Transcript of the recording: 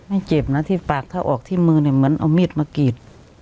ไม่เจ็บนะที่ปากถ้าออกที่มือเนี่ยเหมือนเอามีดมากรีด